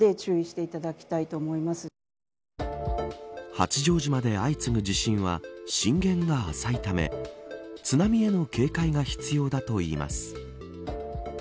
八丈島で相次ぐ地震は震源が浅いため津波への警戒が必要だといいます。